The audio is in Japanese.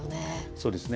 そうですね